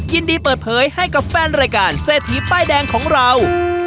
ยินดีเปิดเผยให้กับแฟนรายการเศรษฐีป้ายแดงของเรา